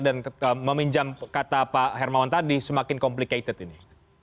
dan meminjam kata pak hermawan tadi semakin komplikasi ini